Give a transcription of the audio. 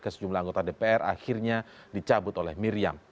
ke sejumlah anggota dpr akhirnya dicabut oleh miriam